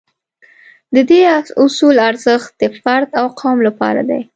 د دې اصول ارزښت د فرد او قوم لپاره دی.